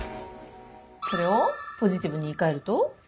これをポジティブに言いかえると？